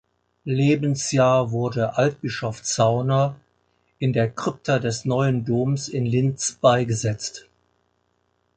Lebensjahr wurde Altbischof Zauner in der Krypta des Neuen Doms in Linz beigesetzt.